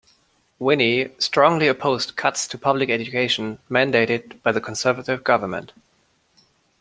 Wynne strongly opposed cuts to public education mandated by the Conservative government.